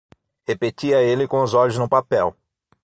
Repetia ele com os olhos no papel.